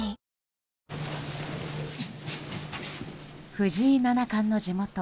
藤井七冠の地元